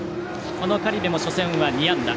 この苅部も初戦は２安打。